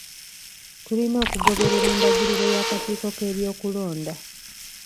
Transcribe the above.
Tulina okugoberera endagiriro y'akakiiko k'ebyokulonda.